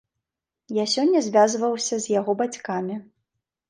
Я сёння звязваўся з яго бацькамі.